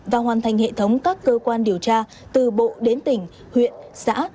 và hoàn thành hệ thống các cơ quan điều tra từ bộ đến tỉnh huyện xã